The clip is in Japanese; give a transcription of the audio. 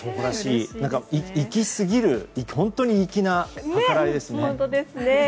粋すぎる本当に粋な計らいですね。